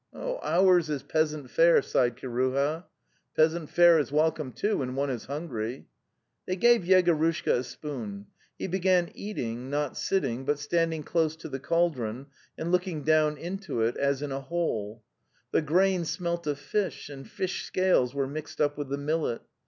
'' Ours is peasant fare," sighed Kiruha. 'Peasant fare is welcome, too, when one is hun gry." They gave Yegorushka a spoon. He began eat ing, not sitting, but standing close to the cauldron and looking down into it as in a hole. The grain smelt of fish and fish scales were mixed up with the millet.